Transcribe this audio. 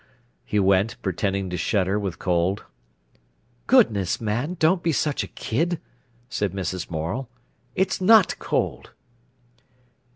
he went, pretending to shudder with cold. "Goodness, man, don't be such a kid!" said Mrs. Morel. "It's not cold."